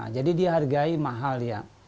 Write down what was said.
jadi dihargai mahal ya